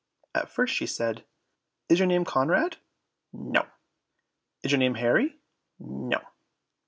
at first she said, "Is your name Conrad?" "No." "Is your name Harry?" "No."